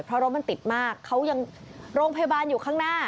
เพราะรถมันติดมากเขายังโรงพยาบาลอยู่ข้างหน้า